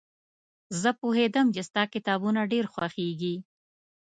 زه پوهېدم چې ستا کتابونه ډېر خوښېږي.